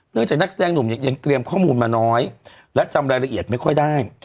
จากนักแสดงหนุ่มเนี่ยยังเตรียมข้อมูลมาน้อยและจำรายละเอียดไม่ค่อยได้